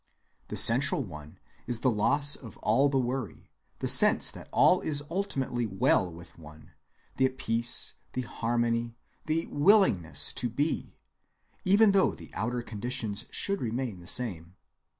The central one is the loss of all the worry, the sense that all is ultimately well with one, the peace, the harmony, the willingness to be, even though the outer conditions should remain the same.